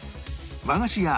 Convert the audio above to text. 和菓子屋